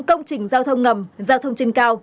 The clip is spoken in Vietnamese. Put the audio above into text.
công trình giao thông ngầm giao thông trên cao